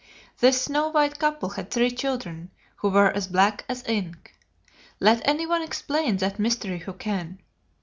This snow white couple had three children, who were as black as ink. Let any one explain that mystery who can.